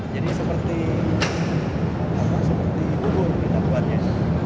jadi seperti bubur kita buat ya